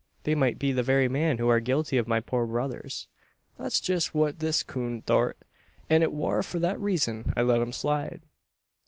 They might be the very men who are guilty of my poor brother's " "That's jest what this coon thort, an it war for that reezun I let 'em slide.